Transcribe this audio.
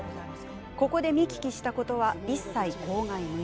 ここで見聞きしたことは一切、口外無用。